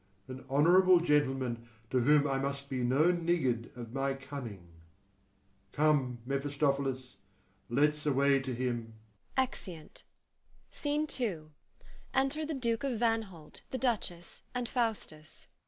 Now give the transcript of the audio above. an honourable gentleman, to whom I must be no niggard of my cunning. Come, Mephistophilis, let's away to him.